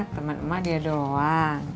temen emak dia doang